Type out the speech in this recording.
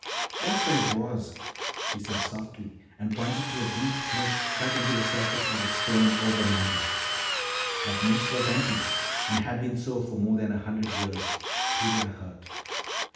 "There's where it was," she said softly and pointed to a deep niche cut into the surface of the stone overmantel. That niche was empty and had been so for more than a hundred years to their hurt.